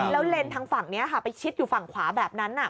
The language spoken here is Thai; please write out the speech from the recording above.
แล้วเลนส์ทางฝั่งนี้ค่ะไปชิดอยู่ฝั่งขวาแบบนั้น